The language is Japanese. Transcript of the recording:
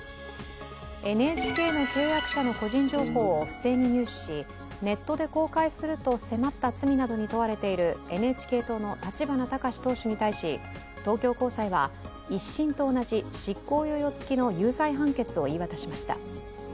ＮＨＫの契約者の個人情報を不正に入手しネットで公開すると迫った罪などに問われているＮＨＫ党の立花孝志党首に対し東京高裁は、１審と同じ執行猶予つきの有罪判決を言い渡しました。